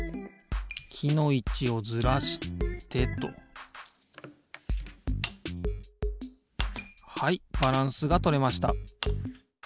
きのいちをずらしてとはいバランスがとれました